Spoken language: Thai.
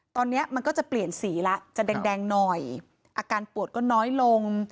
ตอนนี้มันก็จะเปลี่ยนสีแล้วจะแดงหน่อยอาการปวดก็น้อยลง